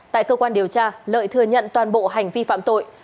tại cơ quan điều tra lợi thừa nhận toàn bộ hành vi phạm tội